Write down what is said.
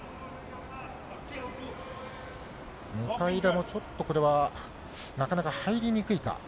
向田もちょっとこれは、なかなか入りにくいか。